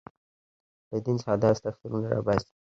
له دین څخه داسې تفسیرونه راباسي.